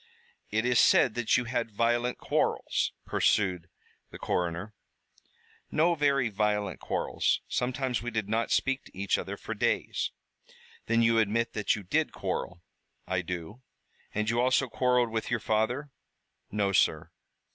"It is said that you had violent quarrels," pursued the coroner. "No very violent quarrels. Sometimes we did not speak to each other for days." "Then you admit that you did quarrel?" "I do." "And you also quarreled with your father?" "No, sir."